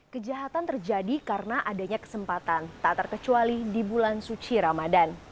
kejahatan terjadi karena adanya kesempatan tak terkecuali di bulan suci ramadan